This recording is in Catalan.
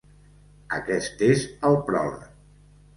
Aquest és el pròleg.